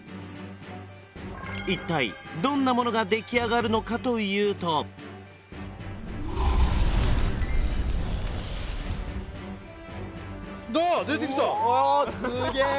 一体どんなものができあがるのかというとわあっすげえ！